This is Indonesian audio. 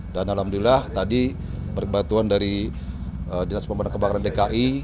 dan alhamdulillah tadi berkebatuan dari dinas pemadaman kebakaran dki